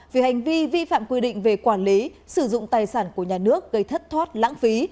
vì hành vi vi phạm quy định về quản lý sử dụng tài sản của nhà nước gây thất thoát lãng phí